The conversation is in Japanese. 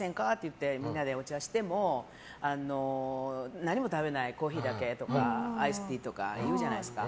ってみんなでお茶しても何も食べない、コーヒーだけとかアイスティーとかいるじゃないですか。